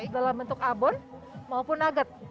dalam bentuk abon maupun nugget